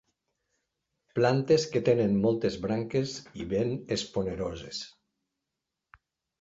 Plantes que tenen moltes branques i ben esponeroses.